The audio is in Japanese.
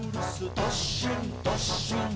どっしんどっしん」